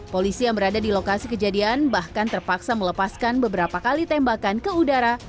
polisi yang berada di lokasi kejadian bahkan terpaksa melepaskan beberapa kali tembakan ke udara